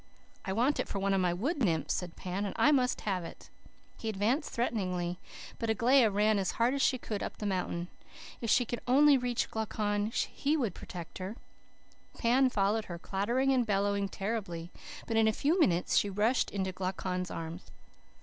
"'I want it for one of my wood nymphs,' said Pan, 'and I must have it.' "He advanced threateningly, but Aglaia ran as hard as she could up the mountain. If she could only reach Glaucon he would protect her. Pan followed her, clattering and bellowing terribly, but in a few minutes she rushed into Glaucon's arms.